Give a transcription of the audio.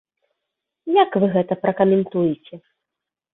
Як вы гэта пракаментуеце?